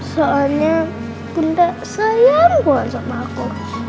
soalnya bunda sayang banget sama aku